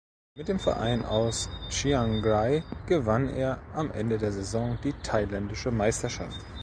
Mit dem Verein aus Chiangrai gewann er am Ende der Saison die thailändische Meisterschaft.